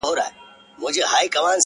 خلگو نه زړونه اخلې خلگو څخه زړونه وړې ته;